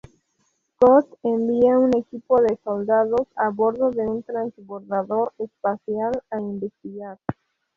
Scott envía un equipo de soldados a bordo de un Transbordador espacial a investigar.